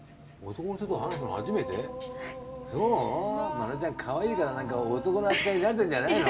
マナミちゃんかわいいから何か男の扱い慣れてるんじゃないの？